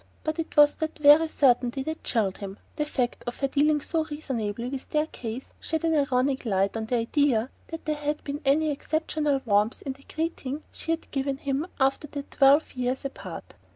But it was that very certainty which chilled him. The fact of her dealing so reasonably with their case shed an ironic light on the idea that there had been any exceptional warmth in the greeting she had given him after their twelve years apart.